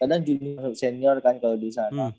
kadang junior senior kan kalau disana